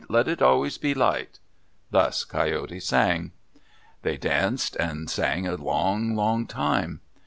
Let it always be light! Thus Coyote sang. They danced and sang a long, long time.